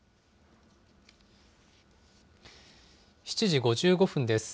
７時５５分です。